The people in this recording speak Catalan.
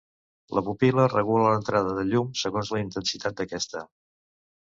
La pupil·la regula l'entrada de llum, segons la intensitat d'aquesta.